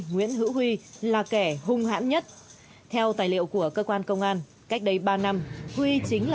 nguyễn hữu huy là kẻ hung hãn nhất theo tài liệu của cơ quan công an cách đây ba năm huy chính là